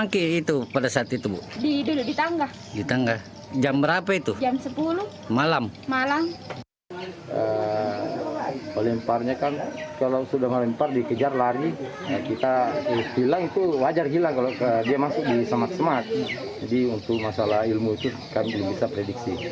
kalau dia masuk di samat samat jadi untuk masalah ilmu itu kami belum bisa prediksi